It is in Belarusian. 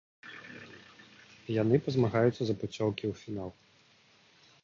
Яны пазмагаюцца за пуцёўкі ў фінал.